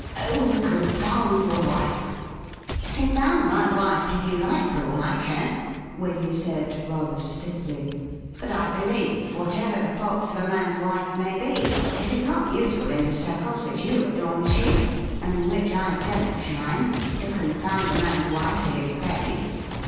' Oh, confound your wife !'' Confound my wife if you like, for aU I care,' Waley said rather stiffly ;' but I believe, whatever the faults of a man's wife may be, it is not usual in the circles which you adorn, chief, and in which I don't shine, to confound a man's wife to his face.